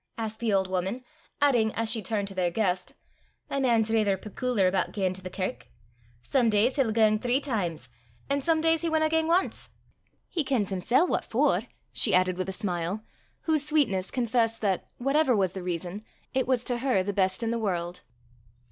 asked the old woman, adding, as she turned to their guest, "My man's raither pecooliar aboot gaein' to the kirk! Some days he'll gang three times, an' some days he winna gang ance! He kens himsel' what for!" she added with a smile, whose sweetness confessed that, whatever was the reason, it was to her the best in the world.